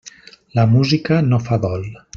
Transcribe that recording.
La música no fa dol.